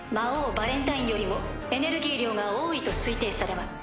ヴァレンタインよりもエネルギー量が多いと推定されます。